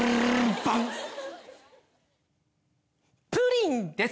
プリンです。